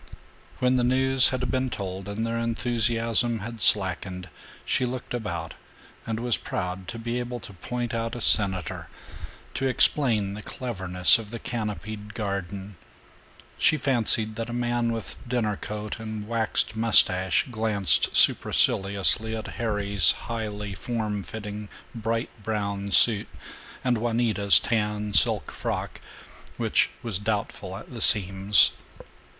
When the news had been told and their enthusiasm had slackened she looked about and was proud to be able to point out a senator, to explain the cleverness of the canopied garden. She fancied that a man with dinner coat and waxed mustache glanced superciliously at Harry's highly form fitting bright brown suit and Juanita's tan silk frock, which was doubtful at the seams.